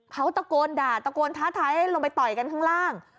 เขาตะโกนด่าตะโกนท้าทายให้ลงไปต่อยกันข้างล่าง